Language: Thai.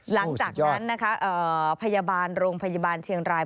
หลังจากนั้นนะคะพยาบาลโรงพยาบาลเชียงราย